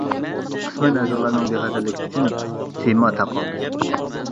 قىسمەن ئەزالارنىڭ بىخەتەرلىكى ئۈچۈن تېما تاقالدى.